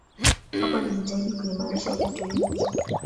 Hapo alijitahidi kuimarisha Wakatoliki.